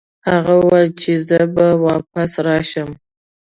هغه وویل چې زه به واپس راشم.